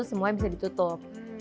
semuanya bisa ditutup